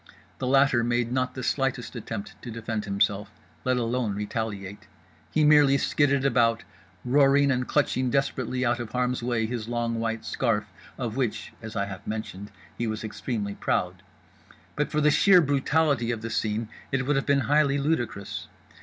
The latter made not the slightest attempt to defend himself, let alone retaliate; he merely skidded about, roaring and clutching desperately out of harm's way his long white scarf, of which (as I have mentioned) he was extremely proud. But for the sheer brutality of the scene it would have been highly ludicrous.